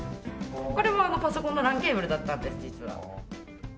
これもあのパソコンのＬＡＮケーブルだったんです実は。